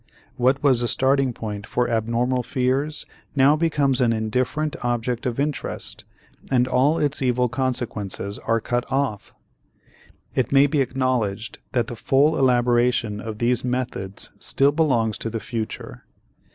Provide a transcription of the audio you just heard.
What was a starting point for abnormal fears now becomes an indifferent object of interest and all its evil consequences are cut off. It may be acknowledged that the full elaboration of these methods still belongs to the future.